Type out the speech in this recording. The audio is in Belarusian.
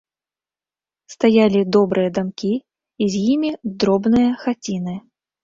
Стаялі добрыя дамкі і з імі дробныя хаціны.